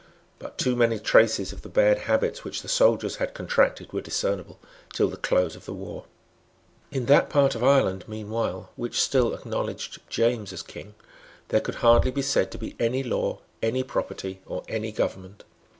But too many traces of the bad habits which the soldiers had contracted were discernible till the close of the war. In that part of Ireland, meanwhile, which still acknowledged James as King, there could hardly be said to be any law, any property, or any government.